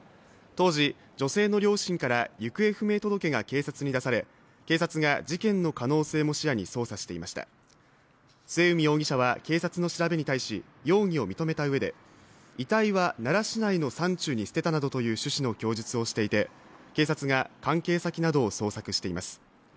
当時女性の両親から行方不明届が警察に出され警察が事件の可能性も視野に捜査していました末海容疑者は警察の調べに対し容疑を認めた上で遺体は奈良市内の山中に捨てたなどという趣旨の供述をしていて警察が関係先などを捜索しています